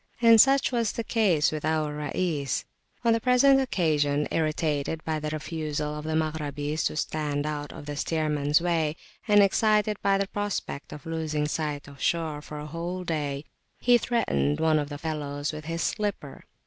And such was the case with our Rais. On the present occasion, irritated by the refusal of the Maghrabis to stand out of the steerman's way, and excited by the prospect of losing sight of shore for a whole day, he threatened one of the fellows with his slipper.